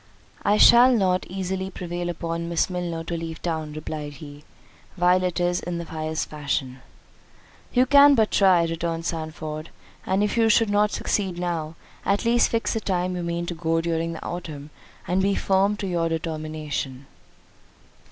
"I shall not easily prevail upon Miss Milner to leave town," replied he, "while it is in the highest fashion." "You can but try," returned Sandford; "and if you should not succeed now, at least fix the time you mean to go during the autumn, and be firm to your determination."